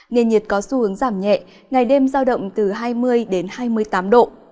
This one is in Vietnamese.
nền nhiệt có xu hướng giảm nhẹ ngày đêm giao động từ hai mươi đến hai mươi tám độ